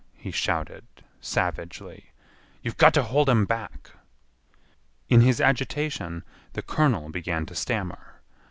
he shouted, savagely; "you've got to hold 'em back!" In his agitation the colonel began to stammer.